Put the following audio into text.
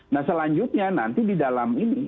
nah selanjutnya nanti di dalam ini